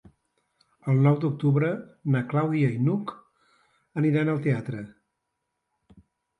El nou d'octubre na Clàudia i n'Hug aniran al teatre.